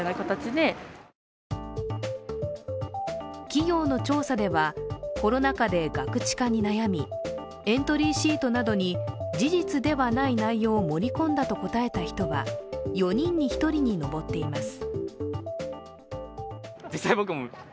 企業の調査では、コロナ禍でガクチカに悩み、エントリーシートなどに事実ではない内容を盛り込んだと答えた人は４人に１人に上っています。